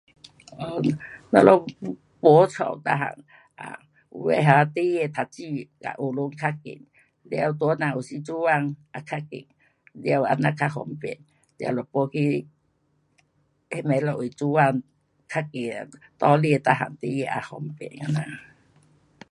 我们没家每样 um，有的 um 孩儿读书去学堂较易。了大人有时做工也较易。了这样较方便。了若不去那边一位做工，较易，搭车每样孩儿也方便这样。